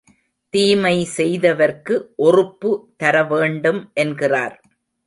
தீமை செய்தவர்க்கு ஒறுப்பு தரவேண்டும் என்கிறார்.